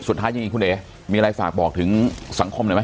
สุดท้ายจริงคุณเอ๋มีอะไรฝากบอกถึงสังคมหน่อยไหม